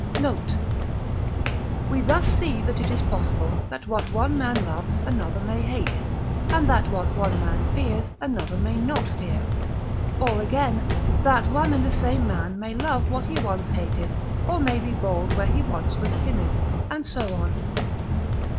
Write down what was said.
Note. We thus see that it is possible, that what one man loves another may hate, and that what one man fears another may not fear; or, again, that one and the same man may love what he once hated, or may be bold where he once was timid, and so on.